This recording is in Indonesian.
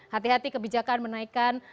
hati hati kebijakan menaikan